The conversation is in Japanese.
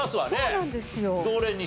そうなんです。